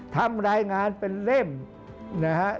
ทำรายงานเป็นเล่มนะฮะ